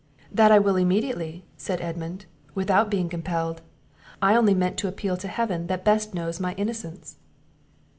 "That I will immediately," said Edmund, "without being compelled. I only meant to appeal to Heaven that best knows my innocence."